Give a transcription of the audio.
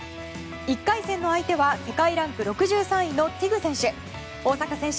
１回戦の相手は世界ランク６３位のティグ選手。